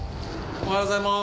おはようございます。